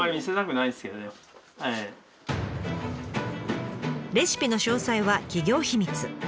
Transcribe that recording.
レシピの詳細は企業秘密。